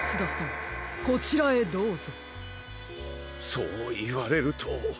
そういわれると。